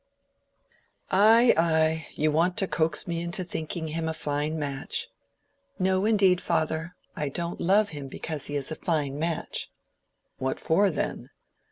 "Ay, ay; you want to coax me into thinking him a fine match." "No, indeed, father. I don't love him because he is a fine match." "What for, then?"